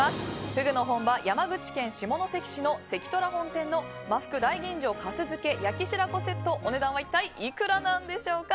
フグの本場・山口県下関市の関とら本店の真ふく大吟醸粕漬け・焼き白子セットお値段は一体いくらなんでしょうか。